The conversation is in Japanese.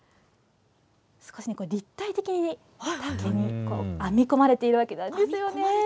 立体的に編み込まれているわけなんですよね。